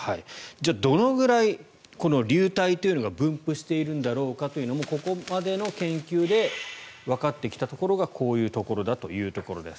じゃあどのくらい流体というのが分布しているんだろうかというのもここまでの研究でわかってきたところがこういうところだということです。